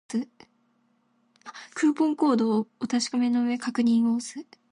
クーポンコードをお確かめの上、確認を押す